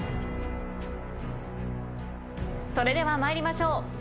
それでは参りましょう。